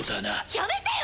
やめてよ